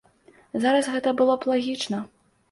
Зараз гэта было б лагічна.